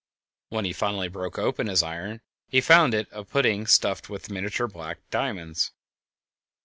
When he finally broke open his iron he found it a pudding stuffed with miniature black diamonds.